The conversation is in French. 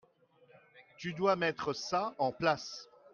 Tu doit mettre ça en place.